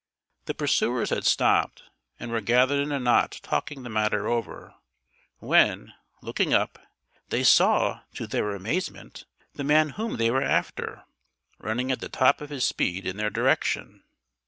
The pursuers had stopped, and were gathered in a knot talking the matter over, when, looking up, they saw, to their amazement, the man whom they were after, running at the top of his speed in their direction.